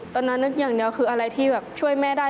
ตอนนั้นนึกอย่างเดียวคืออะไรที่แบบช่วยแม่ได้